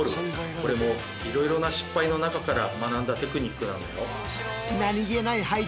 これもいろいろな失敗の中から学んだテクニックなんだよ。